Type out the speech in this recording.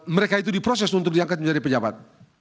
mereka itu diproses untuk diangkat menjadi pejabat